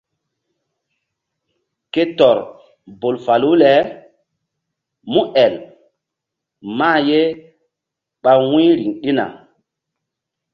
Ke tɔr bol falu le múel mah ye ba ɓa wu̧y riŋ ɗina.